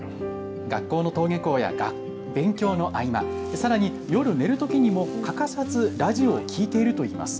学校の登下校や勉強の合間、さらに夜寝るときにも欠かさずラジオを聞いているといいます。